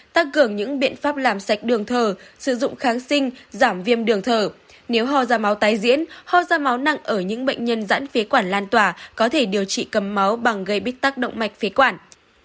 tăng cường những biện pháp làm sạch đường thở sử dụng kháng sinh giảm viêm đường thở nếu ho ra máu tái diễn ho ra máu nặng ở những bệnh nhân dãn phế quản lan tỏa có thể điều trị cầm máu bằng gây bích tác động mạch phế quản